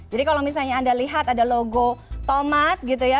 jadi kalau misalnya anda lihat ada logo tomat gitu ya